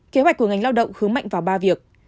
kế hoạch của ngành lao động hứa mạnh vào ba việc